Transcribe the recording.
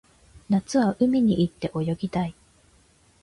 夏は海に行って泳ぎたい